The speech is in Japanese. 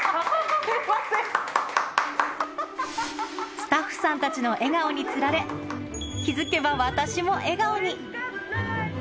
スタッフさんたちの笑顔につられ、気付けば私も笑顔に。